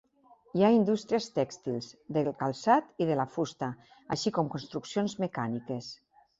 Hi ha indústries tèxtils, del calçat i de la fusta, així com construccions mecàniques.